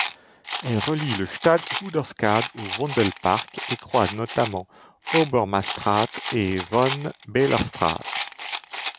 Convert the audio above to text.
Elle relie le Stadhouderskade au Vondelpark, et croise notamment Hobbemastraat et Van Baerlestraat.